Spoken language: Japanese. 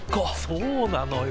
そうなのよ。